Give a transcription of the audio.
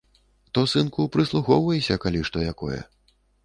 Ты, сынку, прыхоўвайся, калі што якое.